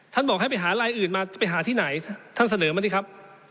ท่านบอกให้ไปหาอะไรอื่นมาไปหาที่ไหนท่านเสนอมันสิครับ